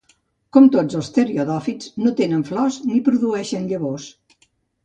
Com tots els pteridòfits, no tenen flors ni produeixen llavors.